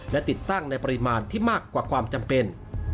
และติดตั้งในปริมาณที่มากกว่าความจำเป็น